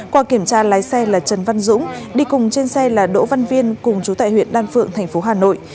qua kiểm tra lái xe là trần văn dũng đi cùng trên xe là đỗ văn viên cùng chú tại huyện đan phượng thành phố hà nội